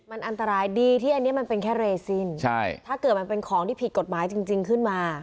มันอันตรายดีที่อันนี้มันเป็นแค่เรซินใช่ถ้าเกิดมันเป็นของที่ผิดกฎหมายจริงจริงขึ้นมา